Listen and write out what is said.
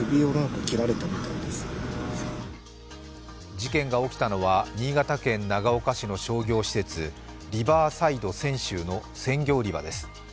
事件が起きたのは、新潟県長岡市の商業施設、リバーサイド千秋の鮮魚売り場です。